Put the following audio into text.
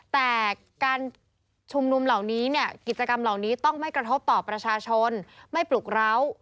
แต่การชุมนุมเหล่านี้ต้องไม่กระทบต่อประชาชนไม่ปลุกร้าว